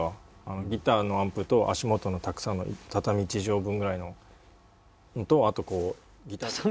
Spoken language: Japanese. ギターのアンプと足元のたくさんの畳一畳分ぐらいのとあとこう。